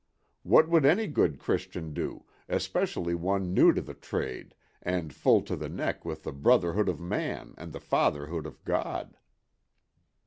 What would any good Christian do, especially one new to the trade and full to the neck with the brotherhood of Man and the fatherhood of God?"